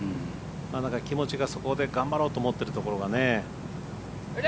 気持ちがそこで頑張ろうって思ってるところがね。